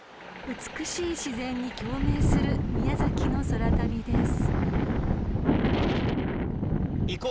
［美しい自然に共鳴する宮崎の空旅です］